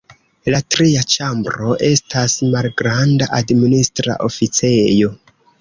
La tria ĉambro estas malgranda administra oficejo.